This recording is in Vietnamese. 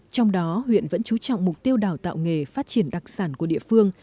trong đó huyện vẫn chú trọng mục tiêu đào tạo nghề phát triển đặc sản của địa phương